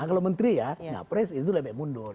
kalau menteri ya nyapres itu lebih baik mundur